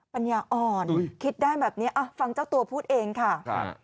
ปัญญาอ่อนคิดได้แบบนี้ฟังเจ้าตัวพูดเองค่ะครับ